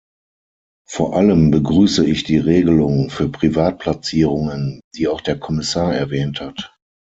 Vor allem begrüße ich die Regelung für Privatplatzierungen, die auch der Kommissar erwähnt hat.